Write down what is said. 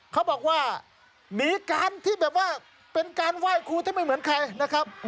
เขาบอกว่าหนีการที่แบบว่าเป็นการไหว้ครูที่ไม่เหมือนใครนะครับ